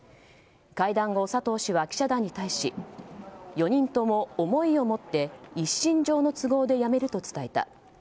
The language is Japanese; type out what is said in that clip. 会談後、佐藤氏は記者団に対し４人とも思いを持って一身上の都合で辞めると伝えた。